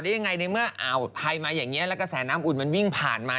ก็ถือว่าเยอะนะพี่ถ้าลด๓๕องศานี่โอเคเลย